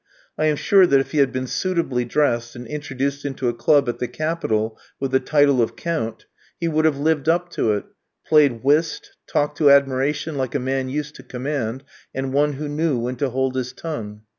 I am sure that if he had been suitably dressed, and introduced into a club at the capital with the title of Count, he would have lived up to it; played whist, talked to admiration like a man used to command, and one who knew when to hold his tongue.